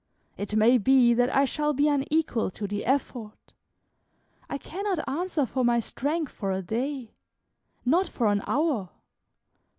It may be that I shall be unequal to the effort; I cannot answer for my strength for a day, not for an hour.